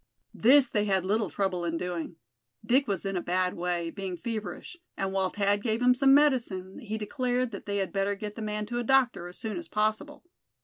This they had little trouble in doing. Dick was in a bad way, being feverish; and while Thad gave him some medicine, he declared that they had better get the man to a doctor as soon as possible.